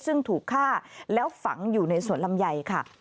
ซึ่งถูกฆ่าแล้วฝังอยู่ในสวนลำไยค่ะ